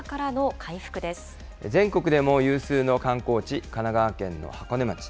全国でも有数の観光地、神奈川県の箱根町。